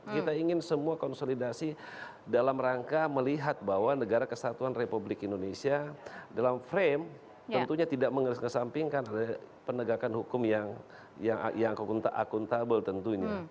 kita ingin semua konsolidasi dalam rangka melihat bahwa negara kesatuan republik indonesia dalam frame tentunya tidak mengesampingkan penegakan hukum yang akuntabel tentunya